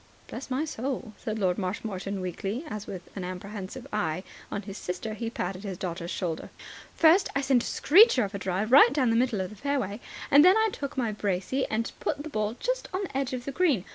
("Bless my soul," said Lord Marshmoreton weakly, as, with an apprehensive eye on his sister, he patted his daughter's shoulder.) "First, I sent a screecher of a drive right down the middle of the fairway. Then I took my brassey and put the ball just on the edge of the green.